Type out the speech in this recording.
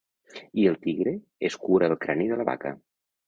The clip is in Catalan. I el tigre escura el crani de la vaca.